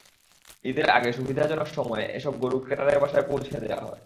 ঈদের আগে সুবিধাজনক সময় এসব গরু ক্রেতাদের বাসায় পৌঁছে দেওয়া হয়।